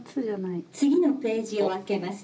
「次のページを開けます」。